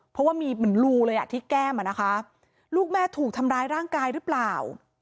เพราะว่ามีเหมือนรูเลยอ่ะที่แก้มอ่ะนะคะลูกแม่ถูกทำร้ายร่างกายหรือเปล่า